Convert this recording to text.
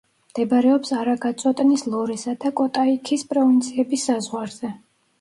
მდებარეობს არაგაწოტნის, ლორესა და კოტაიქის პროვინციების საზღვარზე.